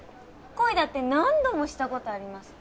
恋だって何度もしたことあります。